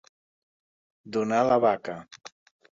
Donar la vaca.